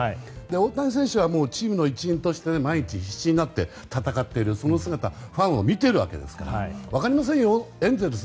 大谷選手はチームの一員として毎日必死になって戦っているその姿をファンは見ているわけですから分かりませんよ、エンゼルス